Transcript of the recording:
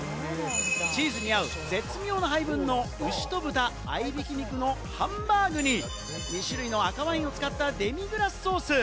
チーズに合う絶妙な配分の牛と豚、合い挽き肉のハンバーグに、２種類の赤ワインを使ったデミグラスソース。